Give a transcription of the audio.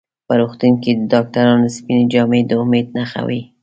په روغتون کې د ډاکټرانو سپینې جامې د امید نښه وي.